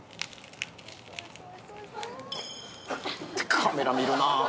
カメラ見るな。